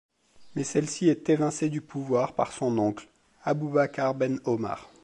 Mais celle-ci est évincée du pouvoir par son oncle, Aboubakar ben Omar.